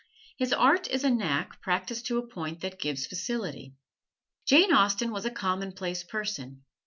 His art is a knack practised to a point that gives facility. Jane Austen was a commonplace person.